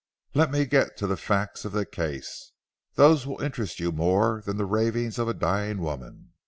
Let me get to the facts of the case. Those will interest you more than the ravings of a dying woman.